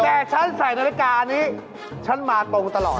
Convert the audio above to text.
แต่ฉันใส่นาฬิกานี้ฉันมาตรงตลอด